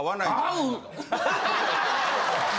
合う！